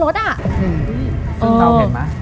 ซึ่งเตาเห็นมั้ย